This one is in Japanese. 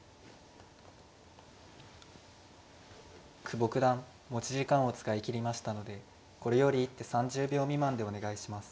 久保九段持ち時間を使い切りましたのでこれより一手３０秒未満でお願いします。